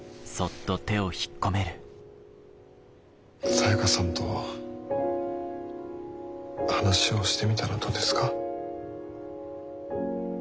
サヤカさんと話をしてみたらどうですか？